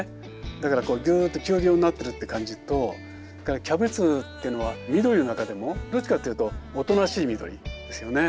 だからこうぐーっと丘陵になってるって感じとそれからキャベツっていうのは緑の中でもどっちかっていうとおとなしい緑ですよね。